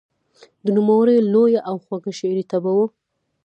د نوموړي لوړه او خوږه شعري طبعه وه.